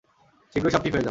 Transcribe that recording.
শীঘ্রই সব ঠিক হয়ে যাবে।